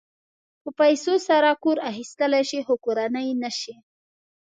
په پیسو سره کور اخيستلی شې خو کورنۍ نه شې.